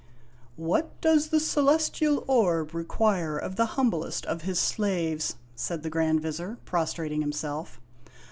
" What does the Celes tial Orb require of the humblest of his slaves ?" said the Grand Vizir, pros trating himself.